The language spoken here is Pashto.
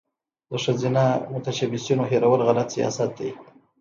د ښځینه متشبثینو هیرول غلط سیاست دی.